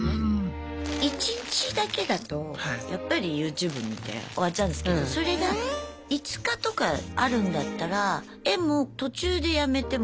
１日だけだとやっぱりＹｏｕＴｕｂｅ見て終わっちゃうんですけどそれが５日とかあるんだったら絵も途中でやめてもまた次の日も描く。